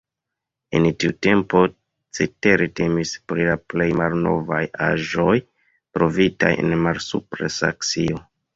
En tiu tempo cetere temis pri la plej malnovaj aĵoj trovitaj en Malsupra Saksio.